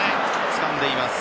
つかんでいます。